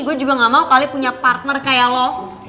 gue juga gak mau kali punya partner kayak lo